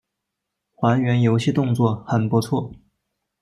还原游戏动作很不错